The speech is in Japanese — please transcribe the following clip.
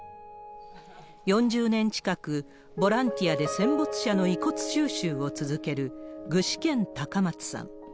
４０年近くボランティアで戦没者の遺骨収集を続ける具志堅隆松さん。